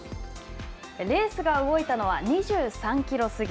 レースが動いたのは２３キロ過ぎ。